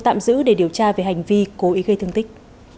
tạm giữ để điều tra về hành vi cố ý gây thương tích